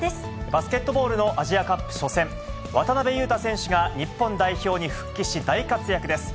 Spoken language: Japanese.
バスケットボールのアジアカップ初戦、渡邊雄太選手が日本代表に復帰し、大活躍です。